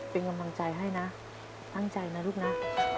เป็นกำลังใจให้นะตั้งใจนะลูกนะ